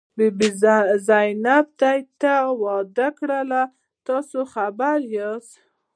بي بي زينت، تا واده کړی؟ تاسې خو خبر یاست.